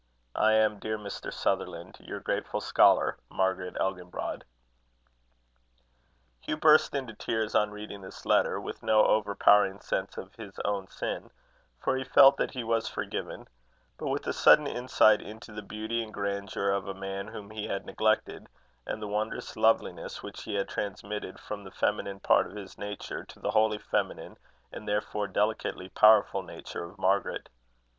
"I am, dear Mr. Sutherland, "Your grateful scholar, "MARGARET ELGINBROD." Hugh burst into tears on reading this letter, with no overpowering sense of his own sin, for he felt that he was forgiven; but with a sudden insight into the beauty and grandeur of the man whom he had neglected, and the wondrous loveliness which he had transmitted from the feminine part of his nature to the wholly feminine and therefore delicately powerful nature of Margaret.